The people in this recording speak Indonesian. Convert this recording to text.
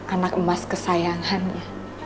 anak emas kesayangannya